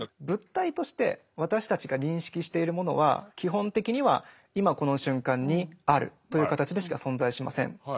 物体として私たちが認識しているものは基本的には「いまこの瞬間にある」という形でしか存在しません。